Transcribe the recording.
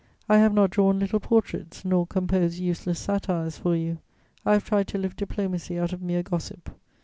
I have not drawn little portraits nor composed useless satires for you; I have tried to lift diplomacy out of mere gossip.